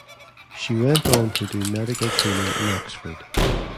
She went on to do medical training in Oxford.